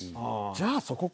じゃあそこか。